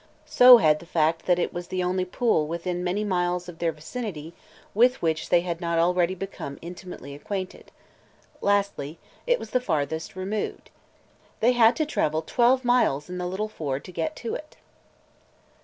So had the fact that it was the only pool within many miles of their vicinity with which they had not already become intimately acquainted. Lastly, it was the farthest removed. They had had to travel twelve miles in the little Ford to get to it.